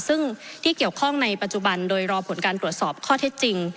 ซึ่งที่เกี่ยวข้องในปัจจุบันโดยรอผลการตรวจสอบข้อเท็จจริง